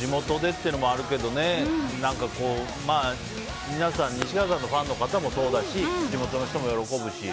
地元でっていうのもあるけど皆さん西川さんのファンの方もそうだし地元の人も喜ぶし。